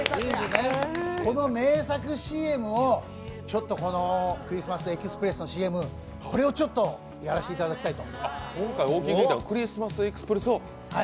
この名作ＣＭ、「クリスマス・エクスプレス」のＣＭこれをちょっとやらせていただきたいと。